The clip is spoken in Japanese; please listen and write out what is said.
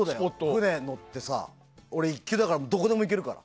船乗って俺１級だからどこでも行けるから。